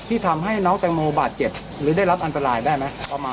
ทำให้น้องแตงโมบาดเจ็บหรือได้รับอันตรายได้ไหม